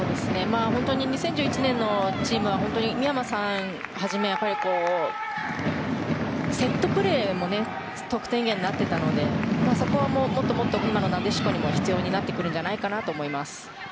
本当に２０１１年のチームは宮間さんはじめセットプレーも得点源になっていたのでそこはもっともっと今のなでしこにも必要になってくるんじゃないかなと思います。